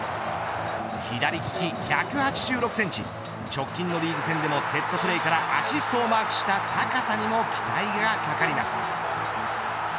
左利き１８６センチ直近のリーグ戦でもセットプレーからアシストをマークした高さにも期待がかかります。